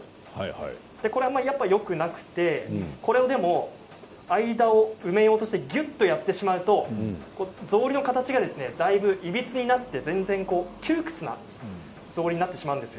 よくなくて、これを間を埋めようとしてぎゅっとやってしまうとぞうりの形がだいぶ、いびつになって窮屈なぞうりになってしまうんです。